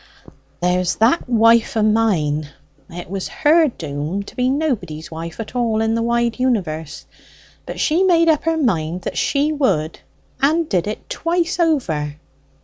"There's that wife o' mine. It was her doom to be nobody's wife at all in the wide universe. But she made up her mind that she would, and did it twice over.